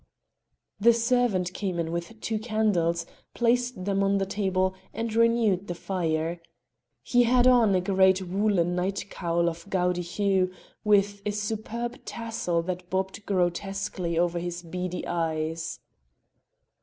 The servant came in with two candles, placed them on the table, and renewed the fire. He had on a great woollen night cowl of gaudy hue with a superb tassel that bobbed grotesquely over his beady eyes.